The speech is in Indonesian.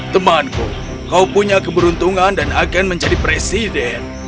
temanku kau punya keberuntungan dan akan menjadi presiden